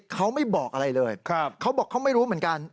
เขาไม่บอกอะไรเลยเขาบอกเขาไม่รู้เหมือนกัน